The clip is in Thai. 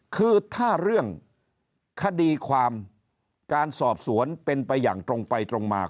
คือถ้าเรื่องคดีความการสอบสวนเป็นไปอย่างตรงไปตรงมา